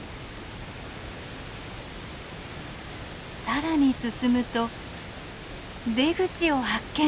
さらに進むと出口を発見。